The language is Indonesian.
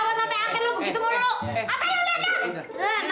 mulai bakal indah